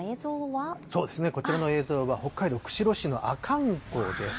そうですね、こちらの映像は北海道釧路市の阿寒湖です。